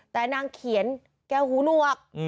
แต่นางเขียนแกหูหนวก